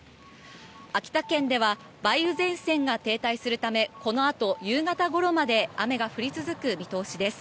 秋田県では梅雨前線が停滞するためこのあと夕方ごろまで雨が降り続く見通しです。